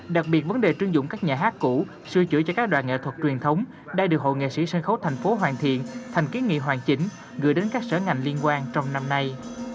đặc biệt vấn đề trưng dụng các nhà hát cũ sư chuỗi cho các đoàn nghệ thuật truyền thống đang được hội nghệ sĩ sân khấu thành phố hoàn thiện thành kiến nghị hoàn chỉnh gửi đến các sở ngành liên quan trong năm nay